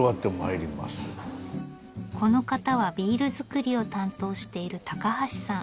この方はビール造りを担当している高橋さん。